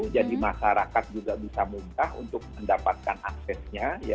jadi masyarakat juga bisa mudah untuk mendapatkan aksesnya